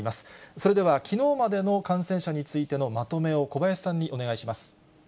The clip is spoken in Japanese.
それでは、きのうまでの感染者についてのまとめを、小林さんにお願いします。